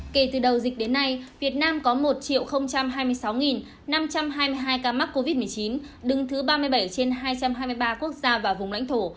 kể từ đầu dịch đến nay việt nam có một hai mươi sáu năm trăm hai mươi hai ca mắc covid một mươi chín đứng thứ ba mươi bảy trên hai trăm hai mươi ba quốc gia và vùng lãnh thổ